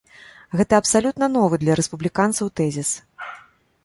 Гэта абсалютна новы для рэспубліканцаў тэзіс.